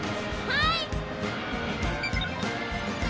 はい！